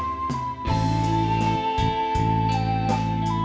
ขอบคุณค่ะ